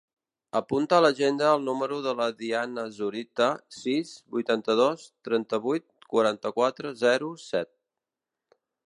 Apunta a l'agenda el número de la Diana Zorita: sis, vuitanta-dos, trenta-vuit, quaranta-quatre, zero, set.